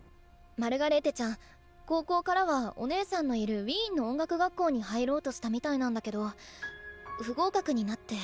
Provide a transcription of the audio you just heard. マルガレーテちゃん高校からはお姉さんのいるウィーンの音楽学校に入ろうとしたみたいなんだけど不合格になって。